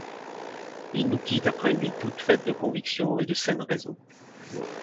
Il nous quitte après une vie toute faite de convictions et de saine raison.